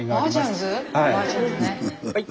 はい。